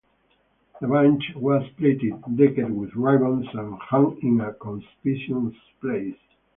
The bunch was plaited, decked with ribbons, and hung in a conspicuous place.